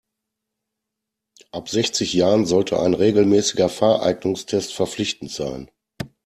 Ab sechzig Jahren sollte ein regelmäßiger Fahreignungstest verpflichtend sein.